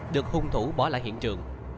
được hung thủ bỏ lại hiện trường